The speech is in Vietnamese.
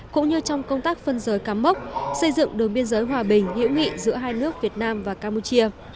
cũng như trong công tác phân giới campuchia xây dựng đường biên giới hòa bình hiệu nghị giữa hai nước việt nam và campuchia